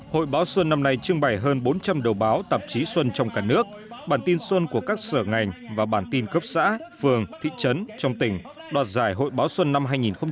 hội báo xuân năm nay trưng bày hơn bốn trăm linh đầu báo tạp chí xuân trong cả nước bản tin xuân của các sở ngành và bản tin cấp xã phường thị trấn trong tỉnh đoạt giải hội báo xuân năm hai nghìn một mươi chín